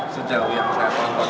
sejauh yang saya tonton